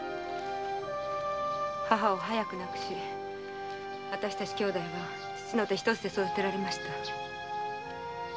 母を早く亡くしわたしたち姉弟は父の手一つで育てられました。